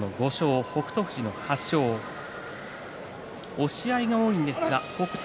押し合いが多いんですが北勝